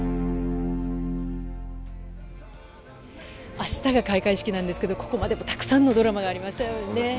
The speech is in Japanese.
明日が開会式なんですけどここまでたくさんのドラマがありましたよね。